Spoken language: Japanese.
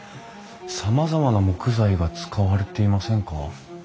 さまざまな木材が使われていませんか？